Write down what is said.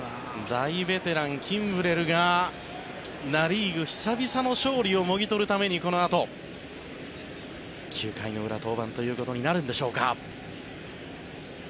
大ベテラン、キンブレルがナ・リーグ久々の勝利をもぎ取るためにこのあと９回の裏、登板ということになるんでしょうか。